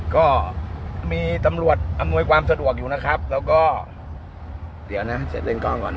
ก็มีตำรวจอำนวยความสะดวกอยู่นะครับแล้วก็เดี๋ยวนะเสร็จเลนกลางก่อน